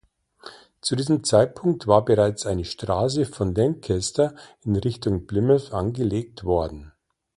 Zu diesem Zeitpunkt war bereits eine Straße von Lancaster in Richtung Plymouth angelegt worden.